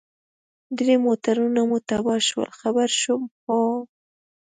درې موټرونه مو تباه شول، خبر شوم، هو.